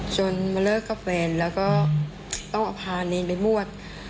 มาเลิกกับแฟนแล้วก็ต้องเอาพาเนรไปบวช